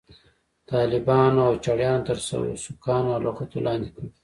طالبانو او چړیانو تر سوکانو او لغتو لاندې کړ.